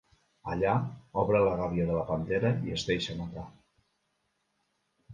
Allà, obre la gàbia de la pantera i es deixa matar.